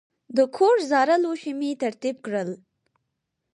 د کور زاړه لوښي مې ترتیب کړل.